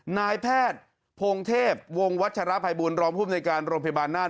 นายแพทย์พงเทพวงวัชรภัยบูรณรองภูมิในการโรงพยาบาลน่าน